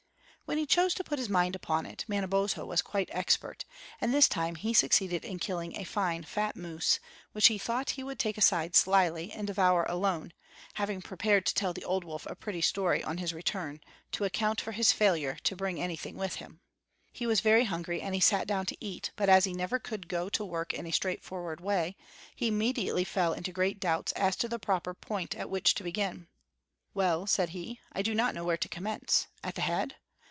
When he chose to put his mind upon it Manabozho was quite expert, and this time he succeeded in killing a fine fat moose, which he thought he would take aside slyly and devour alone, having prepared to tell the old wolf a pretty story on his return, to account for his failure to bring anything with him. He was very hungry, and he sat down to eat; but as he never could go to work in a straightforward way, he immediately fell into great doubts as to the proper point at which to begin. "Well," said he, "I do not know where to commence. At the head?